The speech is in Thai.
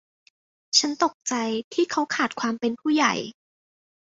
ฉันตกใจที่เขาขาดความเป็นผู้ใหญ่